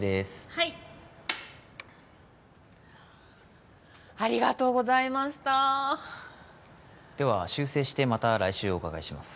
はいありがとうございましたでは修正してまた来週お伺いします